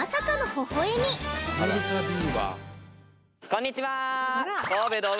○○こんにちはー